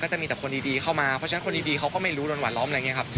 จะมีแต่คนดีเข้ามาเพราะฉะนั้นคนดีเขาก็ไม่รู้โดนหวาดล้อมอะไรอย่างนี้ครับ